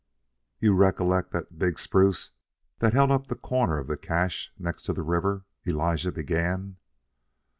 "You recollect that big spruce that held up the corner of the cache next to the river?" Elijah began.